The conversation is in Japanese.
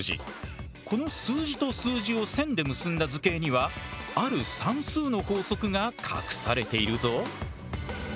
この数字と数字を線で結んだ図形にはある算数の法則が隠されているぞ。